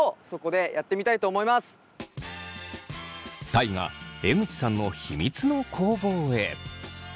大我江口さんの秘密の工房へ。